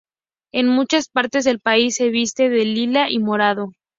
En muchas partes del país se viste de lila y morado.